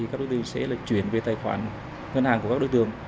các đối tượng sẽ chuyển về tài khoản ngân hàng của các đối tượng